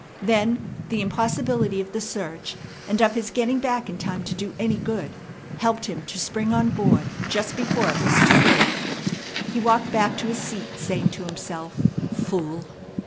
Then the impossibility of the search, and of his getting back in time to do any good, helped him to spring on board just before it was too late. He walked back to his seat saying to himself, "Fool!